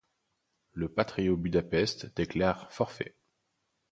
Le Patriot Budapest déclare forfait.